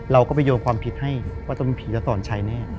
เราก็ไปโยนความผิดให้ว่าต้องเป็นผีจะสอนชัยแน่